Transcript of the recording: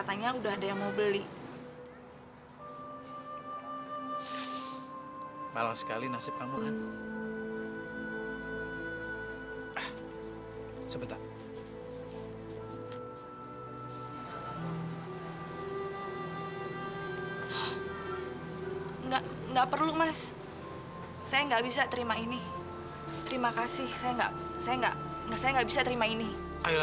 sampai jumpa di video selanjutnya